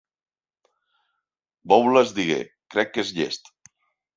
Bowles digué: crec que és llest.